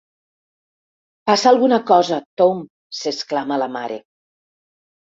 Passa alguna cosa, Tom —s'exclama la mare—.